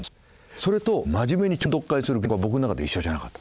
それと真面目に長文読解する現国は僕の中で一緒じゃなかった。